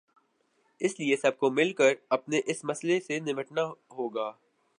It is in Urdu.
اس لیے سب کو مل کر اپنے اس مسئلے سے نمٹنا ہو گا۔